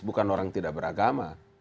bukan orang tidak beragama